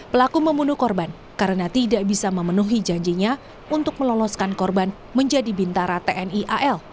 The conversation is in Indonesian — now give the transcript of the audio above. pelaku membunuh korban karena tidak bisa memenuhi janjinya untuk meloloskan korban menjadi bintara tni al